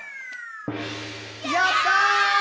「やったー！！」